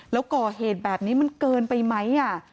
แล้วก่อเหตุแบบนี้มันเกินไปไหม